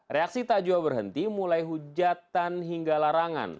reaksi tajua berhenti mulai hujatan hingga larangan